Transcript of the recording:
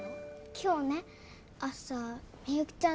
今日ね朝みゆきちゃん